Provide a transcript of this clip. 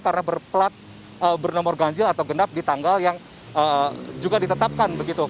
karena berpelat bernomor ganjil atau genap di tanggal yang juga ditetapkan